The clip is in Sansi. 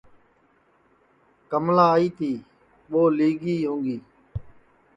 کملا آئی تی ٻو لی گی ہؤں گی